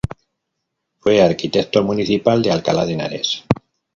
Fue arquitecto municipal de Alcalá de Henares.